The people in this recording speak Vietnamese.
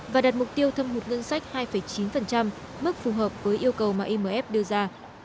và đặt mục tiêu thâm hụt ngân sách hai chín mức phù hợp với yêu cầu mà imf đưa ra